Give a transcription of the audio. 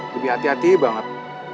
lebih hati hati banget